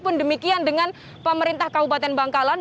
pun demikian dengan pemerintah kabupaten bangkalan